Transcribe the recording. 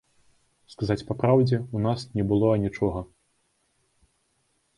Сказаць па праўдзе, у нас ні было анічога!